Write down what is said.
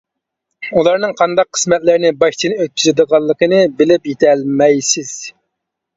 ئۇلارنىڭ قانداق قىسمەتلەرنى باشتىن ئۆتكۈزىدىغانلىقىنى بىلىپ يېتەلمەيسىز.